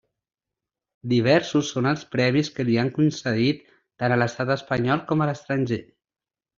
Diversos són els premis que li han concedit tant a l'Estat Espanyol com a l'estranger.